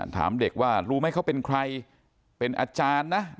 ถามเด็กว่ารู้ไหมเขาเป็นใครเป็นอาจารย์นะ